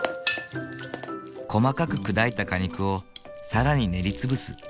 細かく砕いた果肉をさらに練り潰す。